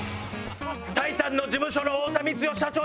「タイタンの事務所の太田光代社長に」